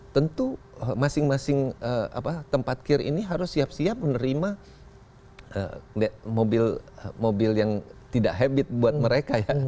tentu masing masing tempat kir ini harus siap siap menerima mobil yang tidak habit buat mereka ya